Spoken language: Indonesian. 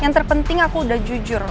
yang terpenting aku udah jujur